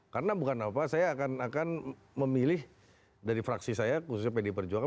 karena bukan apa apa saya akan memilih dari fraksi saya khususnya pd perjuangan